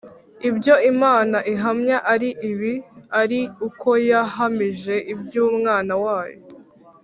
ibyo Imana ihamya ari ibi, ari uko yahamije iby'Umwana wayo.